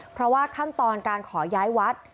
เพราะว่าขั้นตอนการขอย้ายวัด